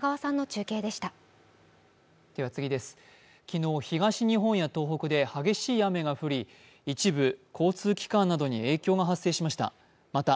昨日、東日本や東北で激しい雨が降り一部、交通機関などに影響が発生しました。